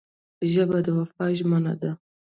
ژبه د وفا ژمنه ده